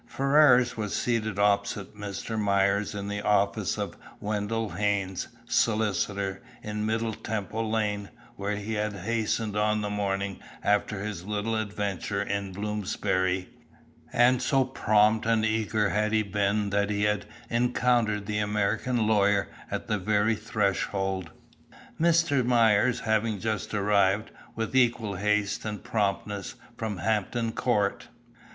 Ferrars was seated opposite Mr. Myers in the office of Wendell Haynes, solicitor, in Middle Temple Lane, where he had hastened on the morning after his little adventure in Bloomsbury, and so prompt and eager had he been that he had encountered the American lawyer at the very threshold, Mr. Myers having just arrived, with equal haste and promptness, from Hampton Court.